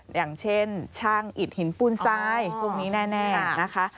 อย่างเช่นช่างอิดหินปูนทรายพวกนี้แน่นะคะ